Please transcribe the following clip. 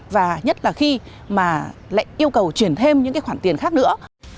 và nhất là khi lại yêu cầu chuyển thêm những khoản tiền khác nữa